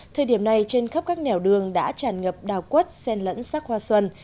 thời điểm này trên khắp các nẻo đường đã tràn ngập đào quất sen lẫn sắc hoa xuân